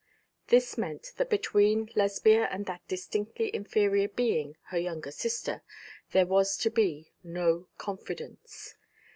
This meant that between Lesbia and that distinctly inferior being, her younger sister, there was to be no confidence.